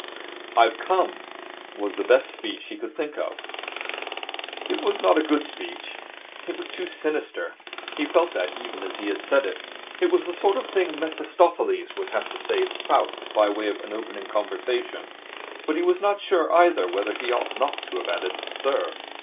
'I've come,' was the best speech he could think of. It was not a good speech. It was too sinister. He felt that even as he said it. It was the sort of thing Mephistopheles would have said to Faust by way of opening conversation. And he was not sure, either, whether he ought not to have added, 'Sir.'